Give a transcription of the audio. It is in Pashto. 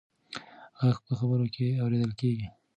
غږ په خبرو کې اورېدل کېږي.